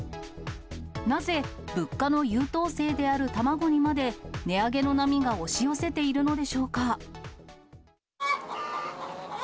なぜ、物価の優等生である卵にまで、値上げの波が押し寄せているのでしょうか。